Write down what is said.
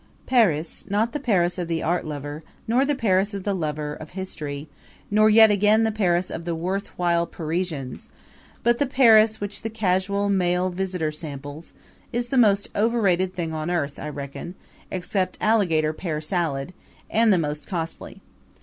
Paris not the Paris of the art lover, nor the Paris of the lover of history, nor yet again the Paris of the worth while Parisians but the Paris which the casual male visitor samples, is the most overrated thing on earth, I reckon except alligator pear salad and the most costly.